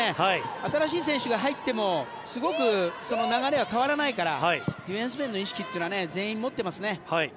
新しい選手が入ってもすごく流れは変わらないからディフェンス面の意識は全員持っていますね。